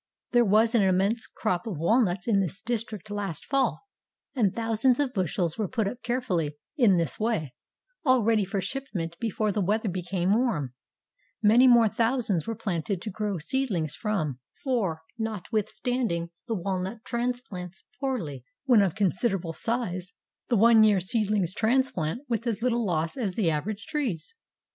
There was an immense crop of walnuts in this district last fall, and thousands of bushels were put up carefully, in this way, all ready for shipment before the weather became warm; many more thousands were planted to grow seedlings from, for, notwithstanding the walnut transplants poorly when of considerable size, the one year seedlings transplant with as little loss as the average trees.